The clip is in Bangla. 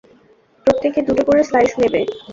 প্রত্যেকে দুটো করে স্লাইজ নেবে।